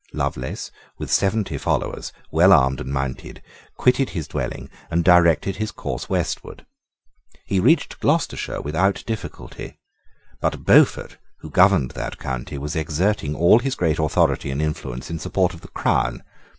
Lovelace, with seventy followers, well armed and mounted, quitted his dwelling, and directed his course westward. He reached Gloucestershire without difficulty. But Beaufort, who governed that county, was exerting all his great authority and influence in support of the crown.